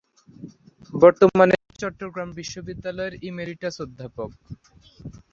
বর্তমানে তিনি চট্টগ্রাম বিশ্ববিদ্যালয়ের ইমেরিটাস অধ্যাপক।